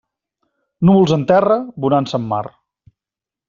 Núvols en terra, bonança en mar.